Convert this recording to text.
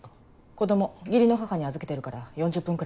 子供義理の母に預けてるから４０分くらいかな。